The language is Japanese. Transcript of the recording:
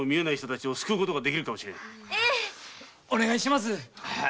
お願いします。